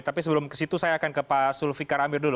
tapi sebelum ke situ saya akan ke pak sulvikar amir dulu